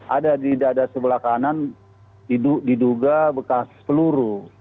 ada di dada sebelah kanan diduga bekas peluru